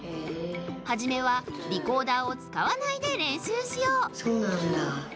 はじめはリコーダーをつかわないで練習しようそうなんだ。